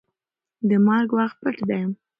د مرګ وخت پټ دی.